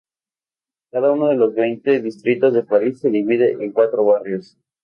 Cada uno de los veinte distritos de París se divide en cuatro barrios.